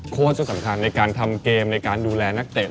ที่สำคัญในการทำเกมในการดูแลนักเตะ